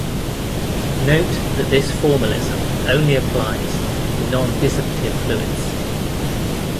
Note that this formalism only applies to nondissipative fluids.